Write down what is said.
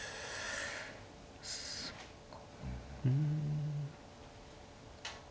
そうか。